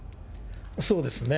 そうですね。